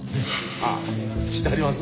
あっ知ってはります？